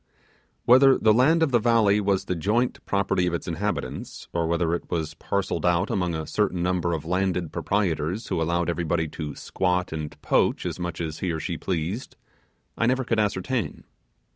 Whether the land of the valley was the joint property of its inhabitants, or whether it was parcelled out among a certain number of landed proprietors who allowed everybody to 'squat' and 'poach' as much as he or she pleased, I never could ascertain.